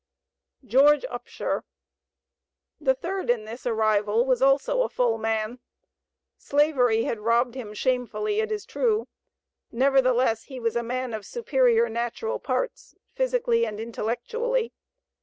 GEORGE UPSHER. The third in this arrival was also a full man. Slavery had robbed him shamefully it is true; nevertheless he was a man of superior natural parts, physically and intellectually.